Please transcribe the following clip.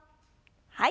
はい。